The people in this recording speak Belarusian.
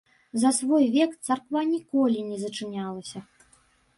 За свой век царква ніколі не зачынялася.